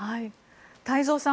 太蔵さん